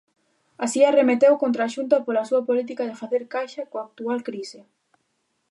Así, arremeteu contra a Xunta pola súa "política de facer caixa" coa actual crise.